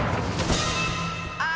あ！